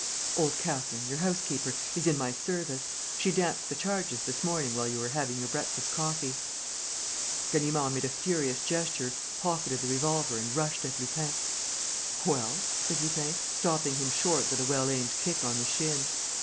"Old Catherine, your housekeeper, is in my service. She damped the charges this morning while you were having your breakfast coffee." Ganimard made a furious gesture, pocketed the revolver and rushed at Lupin. "Well?" said Lupin, stopping him short with a well aimed kick on the shin.